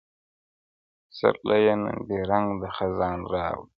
o پسرلیه نن دي رنګ د خزان راوی,